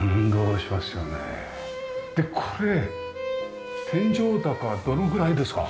でこれ天井高どのぐらいですか？